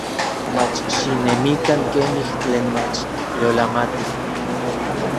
Mach xinemikan kemij tlen mach yolamatij.